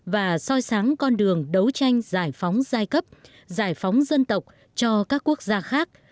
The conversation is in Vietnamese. và soi sáng con đường đấu tranh giải phóng giai cấp giải phóng dân tộc cho các quốc gia khác